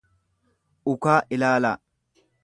ukaa ilaalaa